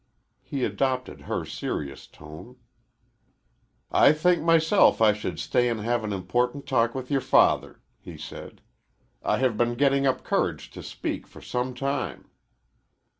He adopted her serious tone. "I think myself I should stay and have an important talk with your father," he said. "I have been getting up courage to speak for some time."